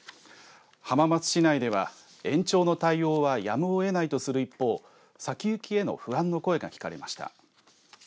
浜松市では延長の対応はやむを得ないとする一方先行きへの不安の声が聞かれました。